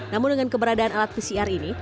namun dengan keberadaan alat pcr ini